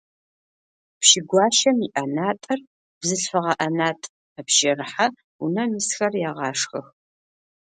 Пщы гуащэм иӏэнатӏэр - бзылъфыгъэ ӏэнатӏ, мэпщэрыхьэ, унэм исхэр егъашхэх.